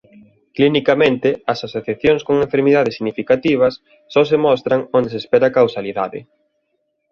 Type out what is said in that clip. Clinicamente as asociacións con enfermidades significativas só se mostran onde se espera causalidade.